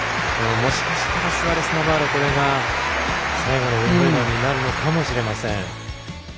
もしかしたら、スアレスナバーロこれが最後のウィンブルドンになるのかもしれません。